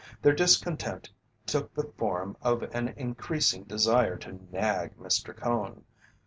Their discontent took the form of an increasing desire to nag Mr. Cone.